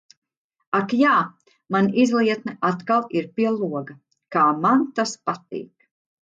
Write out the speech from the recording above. Ak jā, man izlietne atkal ir pie loga. Kā man tas patīk.